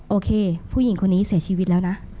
โอเคผู้หญิงคนนี้เสียชีวิตแล้วนะ